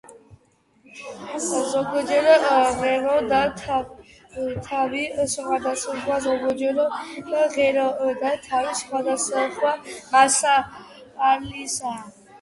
ზოგჯერ ღერო და თავი სხვადასხვა ზოგჯერ ღერო და თავი სხვადასხვა მასალისაა.